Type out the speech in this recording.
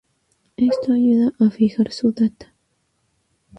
Esto ayuda a fijar su data.